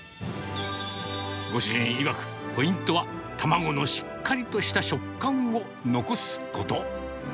ご主人いわく、ポイントは卵のしっかりとした食感を残すこと。